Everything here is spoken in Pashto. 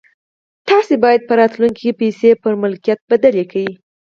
تاسې بايد په راتلونکي کې پيسې پر ملکيت بدلې کړئ.